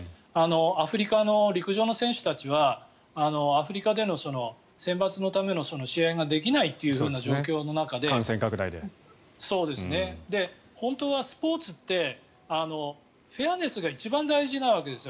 アフリカの陸上の選手たちはアフリカでの選抜のための試合ができないという状況の中で本当はスポーツってフェアネスが一番大事なわけですよ。